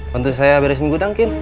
bantu saya beresin gudang kin